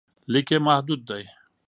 لیک یې محدود دی.